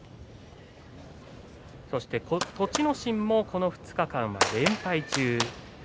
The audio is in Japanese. そして、栃ノ心もこの２日間は連敗中。